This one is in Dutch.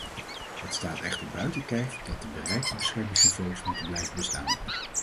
Het staat echter buiten kijf dat de bereikte beschermingsniveaus moeten blijven bestaan.